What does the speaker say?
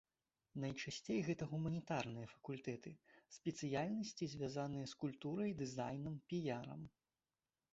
Найчасцей гэта гуманітарныя факультэты, спецыяльнасці, звязаныя з культурай, дызайнам, піярам.